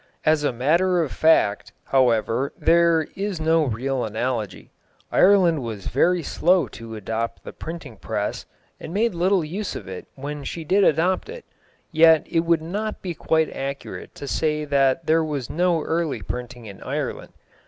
As a matter of fact, however, there is no real analogy. Ireland was very slow to adopt the printing press, and made little use of it when she did adopt it, yet it would not be quite accurate to say that there was no early printing in Ireland.